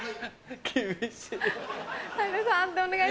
厳しい。